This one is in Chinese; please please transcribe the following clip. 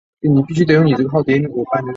中华民国及满洲国政治人物。